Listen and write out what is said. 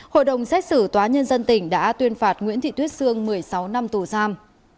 hội đồng xét xử tòa nhân dân tỉnh đã tuyên phạt nguyễn thị tuyết sương một mươi sáu năm tù giam